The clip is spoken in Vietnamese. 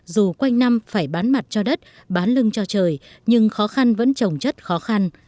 dù quanh năm phải bán mặt cho đất bán lưng cho trời nhưng khó khăn vẫn trồng chất khó khăn